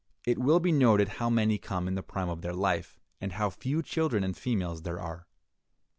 It will be noted how many come in the prime of life, and how few children and females there are.